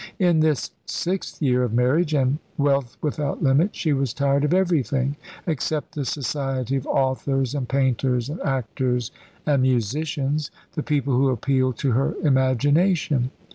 In this sixth year of marriage, and wealth without limit, she was tired of everything, except the society of authors and painters and actors and musicians the people who appealed to her imagination.